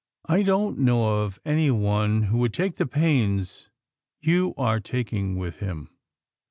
" I don't know of anyone who would take the pains you are taking with him."